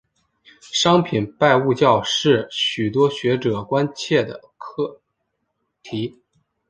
商品拜物教是许多学者关切的课题。